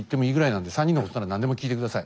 なんで３人のことなら何でも聞いて下さい。